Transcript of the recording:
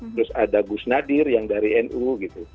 terus ada gus nadir yang dari nu gitu